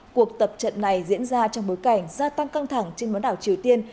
cuộc tập trận này diễn ra trong bối cảnh gia tăng căng thẳng trên bán đảo triều tiên